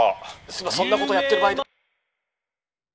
「今そんなことやってる場合では」。